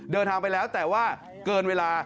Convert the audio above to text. เดินทางไปแล้วแต่ว่าเกินเวลา